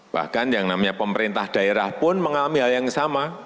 bahkan yang namanya pemerintah daerah pun mengalami hal yang sama